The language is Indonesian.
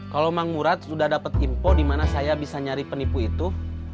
kalau mang murad sudah dapat info di mana saya bisa nyari penipu itu